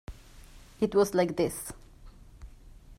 It was like this.